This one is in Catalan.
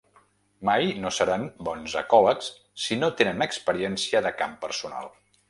Mai no seran bons ecòlegs si no tenen experiència de camp personal.